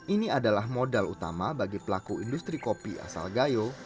ini adalah modal utama bagi pelaku industri kopi asal gayo